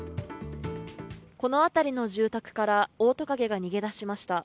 この辺りの住宅からオオトカゲが逃げ出しました。